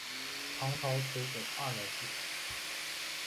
唐朝垂拱二年置。